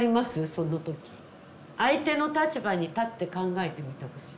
その時相手の立場に立って考えてみてほしい。